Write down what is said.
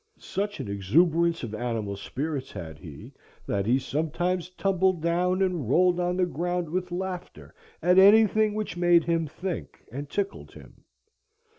Such an exuberance of animal spirits had he that he sometimes tumbled down and rolled on the ground with laughter at any thing which made him think and tickled him.